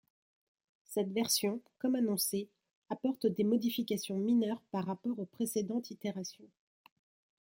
Cette version, comme annoncé, apporte des modifications mineures par rapport aux précédentes itérations.